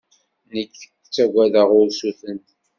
Nekk ttaggadeɣ ursuten.